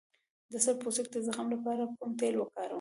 د سر د پوستکي د زخم لپاره کوم تېل وکاروم؟